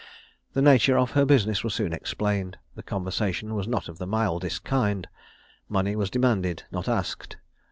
The nature of her business was soon explained. The conversation was not of the mildest kind. Money was demanded, not asked.